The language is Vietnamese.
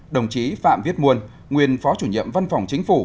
đồng chí phạm viết muôn nguyên phó chủ nhiệm văn phòng chính phủ